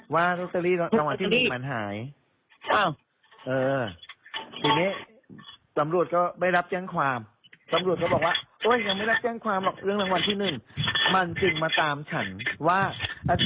ว่ารถตะลี่ตอนที่หนึ่งมันหาย